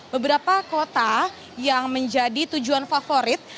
beberapa kota yang menjadi tujuan favorit